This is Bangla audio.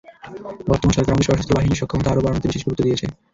বর্তমান সরকার আমাদের সশস্ত্র বাহিনীর সক্ষমতা আরও বাড়ানোতে বিশেষ গুরুত্ব দিয়েছে।